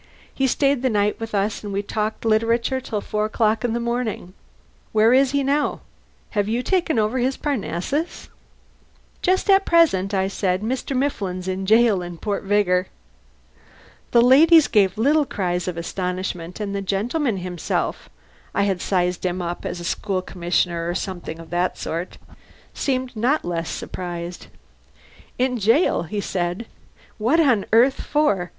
He stayed the night with us and we talked literature till four o'clock in the morning. Where is he now? Have you taken over Parnassus?" "Just at present," I said, "Mr. Mifflin is in the jail at Port Vigor." The ladies gave little cries of astonishment, and the gentleman himself (I had sized him up as a school commissioner or something of that sort) seemed not less surprised. "In jail!" he said. "What on earth for?